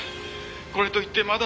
これといってまだ」